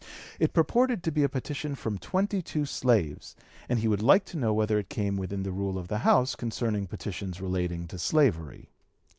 It purported to be a petition from twenty two slaves, and he would like to know whether it came within the rule of the House concerning petitions relating to slavery.